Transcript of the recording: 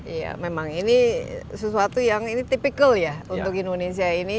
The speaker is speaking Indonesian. iya memang ini sesuatu yang ini tipikal ya untuk indonesia ini